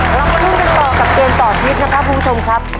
เรามาลุ้นกันต่อกับเกมต่อชีวิตนะครับคุณผู้ชมครับ